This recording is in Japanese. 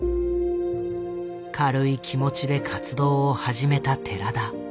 軽い気持ちで活動を始めた寺田。